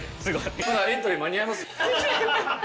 まだエントリー間に合います？